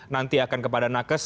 nanti akan kepada nakes